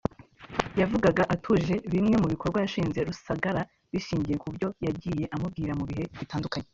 yavugaga atuje bimwe mu bikorwa yashinje Rusagara bishingiye ku byo yagiye amubwira mu bihe bitandukanye